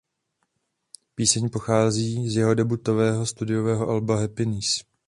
Píseň pochází z jeho debutového studiového alba "Happiness".